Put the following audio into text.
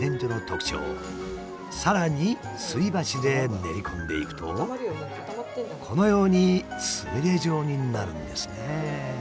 さらにすり鉢で練り込んでいくとこのようにつみれ状になるんですね。